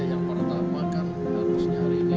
yang pertama kan harusnya hari ini